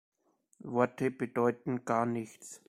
Worte bedeuten gar nichts.